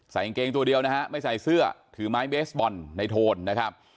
กางเกงตัวเดียวนะฮะไม่ใส่เสื้อถือไม้เบสบอลในโทนนะครับ